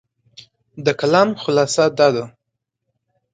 د کلام خلاصه دا ده،